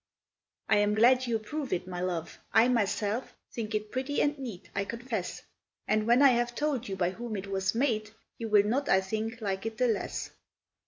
"I am glad you approve it, my love: I myself Think it pretty and neat, I confess; And when I have told you by whom it was made, You will not, I think, like it the less.